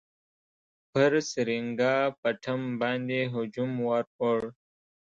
پر سرینګا پټم باندي هجوم ورووړ.